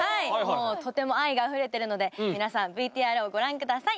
もうとても愛があふれてるので皆さんＶＴＲをご覧下さい。